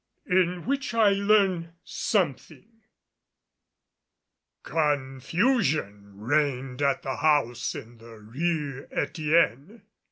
IN WHICH I LEARN SOMETHING. Confusion reigned at the house in the Rue Etienne.